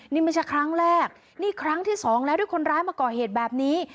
นี่ไม่ใช่ครั้งแรกนี่ครั้งที่สองแล้วที่คนร้ายมาก่อเหตุแบบนี้